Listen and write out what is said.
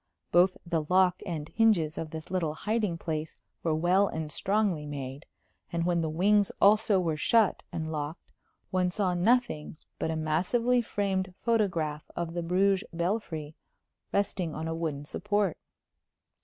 Both the lock and hinges of this little hiding place were well and strongly made, and when the wings also were shut and locked one saw nothing but a massively framed photograph of the Bruges belfry resting on a wooden support.